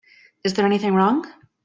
Is there anything wrong?